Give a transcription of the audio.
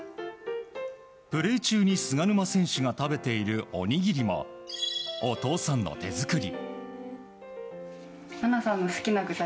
プレー中に菅沼選手が食べているおにぎりもお父さんの手作り。